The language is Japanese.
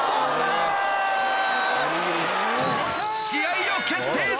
試合を決定